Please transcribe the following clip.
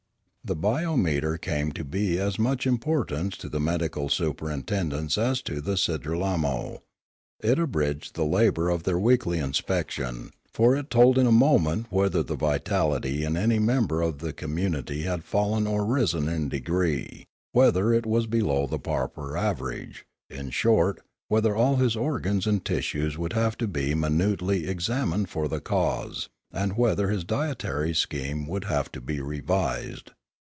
The biometer came to be of as much importance tb the medical superintendents as to the Sidralmo; it abridged the labour of their weekly inspection; for it told in a moment whether the vitality in any member of the community had fallen or risen in degree, whether it was below the proper average, in short whether all his organs and tissues would have to be minutely ex amined for the cause, and whether his dietary scheme would have to be revised.